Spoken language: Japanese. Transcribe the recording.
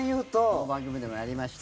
この番組でもやりました。